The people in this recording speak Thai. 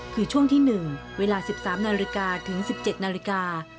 คือช่วงที่๑เวลา๑๓นาฬิกาถึง๑๗นาฬิกา